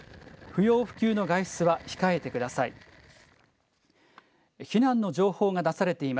不要不急の外出は控えてください。